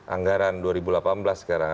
anggaran dua ribu delapan belas sekarang